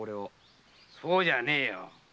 そうじゃねえよ。